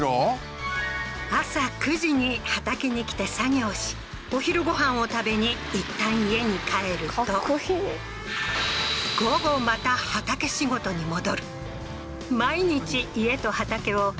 朝９時に畑に来て作業しお昼ご飯を食べに一旦家に帰ると午後また畑仕事に戻るはははっ